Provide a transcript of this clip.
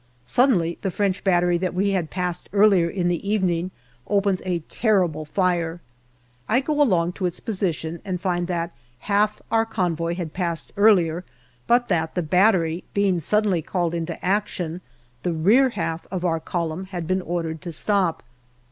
Suddenly the French battery that we had passed earlier in the evening opens a terrible MAY 6T fire. I go along to its position and find that half our convoy had passed earlier, but that, the battery being suddenly called into action, the rear half of our column had been ordered to stop.